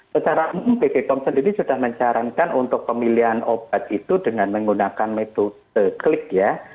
secara umum bp pom sendiri sudah mencarankan untuk pemilihan obat itu dengan menggunakan metode klik ya